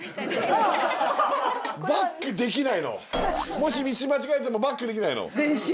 もし道間違えてもバックできないの？